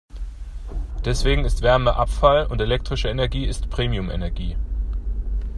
Deswegen ist Wärme Abfall und elektrische Energie ist Premium-Energie.